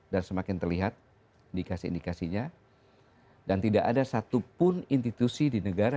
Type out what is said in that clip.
dan semakin terlihat indikasi indikasinya dan tidak ada satupun institusi di negara